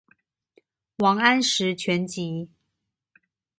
王安石全集